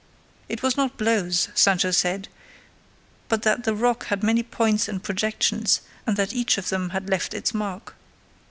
It was not blows, Sancho said, but that the rock had many points and projections, and that each of them had left its mark.